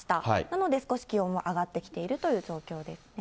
なので少し気温も上がってきているという状況ですね。